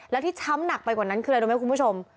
แล้วที่ช้ำหนักไปกว่านั้นคืออะไรรู้ไหมคุณผู้ชม